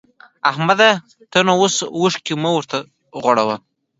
احمده! ته نو اوس اوښکی مه ورته غوړوه.